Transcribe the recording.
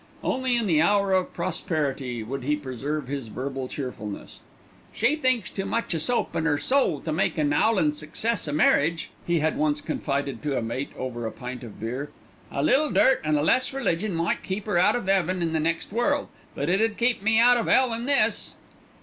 Only in the hour of prosperity would he preserve his verbal cheerfulness. "She thinks too much o' soap an' 'er soul to make an 'owlin' success o' marriage," he had once confided to a mate over a pint of beer. "A little dirt an' less religion might keep 'er out of 'eaven in the next world, but it 'ud keep me out of 'ell in this!"